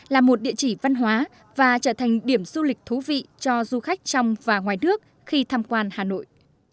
là một địa chỉ văn hóa và trở thành điểm du lịch thú vị cho du khách trong và ngoài nước khi tham quan hà nội